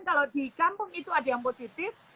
kalau di kampung itu ada yang positif